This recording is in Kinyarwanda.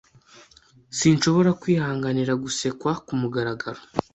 Sinshobora kwihanganira gusekwa kumugaragaro.